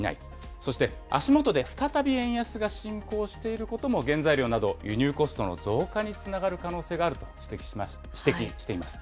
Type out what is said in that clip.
そして足元で再び円安が進行していることも原材料など、輸入コストの増加につながる可能性があると指摘しています。